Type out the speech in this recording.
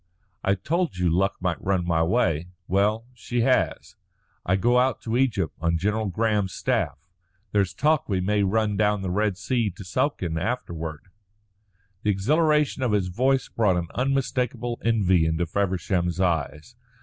"I told you luck might look my way. Well, she has. I go out to Egypt on General Graham's staff. There's talk we may run down the Red Sea to Suakin afterward." The exhilaration of his voice brought an unmistakable envy into Feversham's eyes.